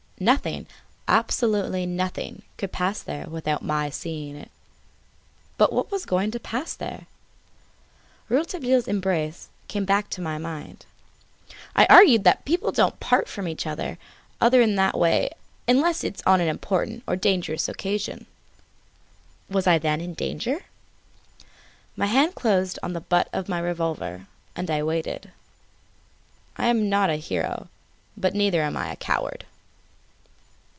Nothing, absolutely nothing could pass there without my seeing it. But what was going to pass there? Rouletabille's embrace came back to my mind. I argued that people don't part from each, other in that way unless on an important or dangerous occasion. Was I then in danger? My hand closed on the butt of my revolver and I waited. I am not a hero; but neither am I a coward.